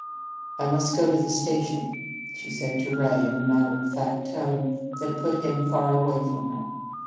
"I must go to the station," she said to Ray, in a matter of fact tone that put him far away from her.